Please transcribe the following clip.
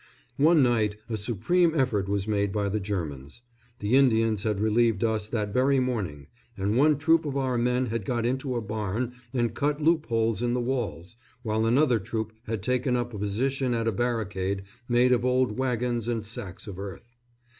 One night a supreme effort was made by the Germans. The Indians had relieved us that very morning, and one troop of our men had got into a barn and cut loopholes in the walls, while another troop had taken up a position at a barricade made up of old wagons and sacks of earth.